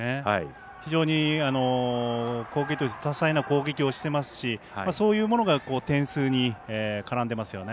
非常に多彩な攻撃をしてますしそういうものが点数に絡んでますよね。